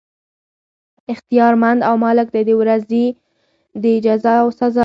اختيار مند او مالک دی د ورځي د جزاء او سزاء